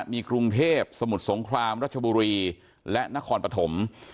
มีกรุงเทพสมุทรสงครามรัชบุรีและนครปฐม